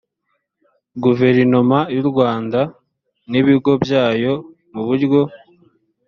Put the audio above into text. guverinoma y u rwanda n ibigo byayo mu buryo